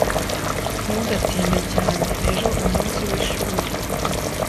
Ntugatinde cyane. Ejo umunsi w'ishuri.